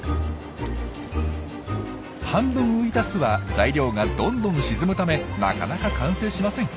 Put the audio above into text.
半分浮いた巣は材料がどんどん沈むためなかなか完成しません。